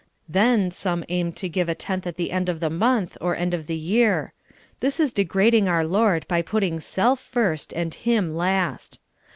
Then some aim to give a tenth at the end of the month, or end of the year. This is degrading our Lord by putting self finst and Him last.